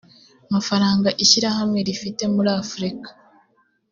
mafaranga ishyirahamwe rifite muri afurika